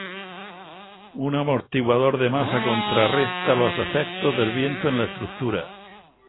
Un amortiguador de masa contrarresta los efectos del viento en la estructura.